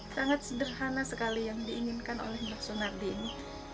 sangat sederhana sekali yang diinginkan oleh mbak sunardi ini